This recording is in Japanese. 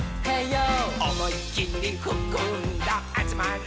「おもいきりふくんだあつまれ」